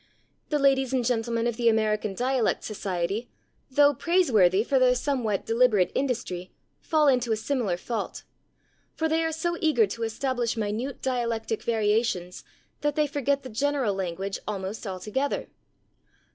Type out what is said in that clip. The ladies and gentlemen of the American Dialect Society, though praiseworthy for their somewhat deliberate industry, fall into a similar fault, for they are so eager to establish minute dialectic variations that they forget the general language almost altogether.